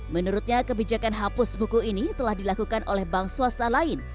menurutnya kebijakan hapus buku ini telah dilakukan oleh bank swasta lain